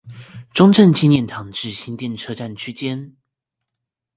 中正紀念堂至新店車站區間